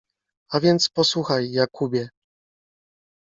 — A więc posłuchaj, Jakubie!